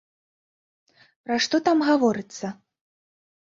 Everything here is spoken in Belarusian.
Пра што там гаворыцца?